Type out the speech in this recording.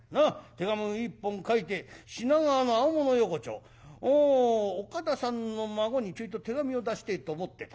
手紙を一本書いて品川の青物横丁岡田さんの孫にちょいと手紙を出してえと思ってた。